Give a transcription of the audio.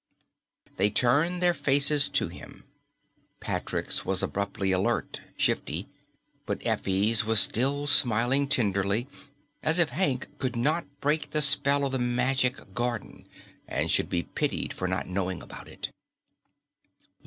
They turned their faces to him. Patrick's was abruptly alert, shifty. But Effie's was still smiling tenderly, as if Hank could not break the spell of the magic garden and should be pitied for not knowing about it.